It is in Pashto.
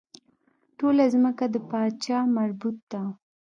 ټوله ځمکه د پاچا مربوط ده.